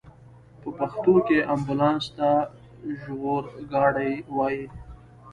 په پښتو کې امبولانس ته ژغورګاډی وايي.